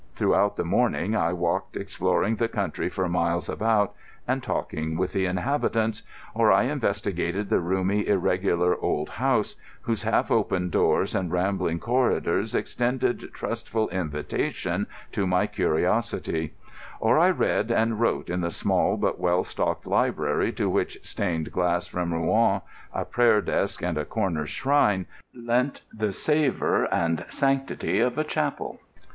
Throughout the morning I walked exploring the country for miles about and talking with the inhabitants; or I investigated the roomy, irregular old house, whose half open doors and rambling corridors extended trustful invitation to my curiosity; or I read and wrote in the small but well stocked library, to which stained glass from Rouen, a prayer desk, and a corner shrine lent the savour and sanctity of a chapel.